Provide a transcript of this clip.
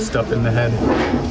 mereka pulang tapi pulangnya muda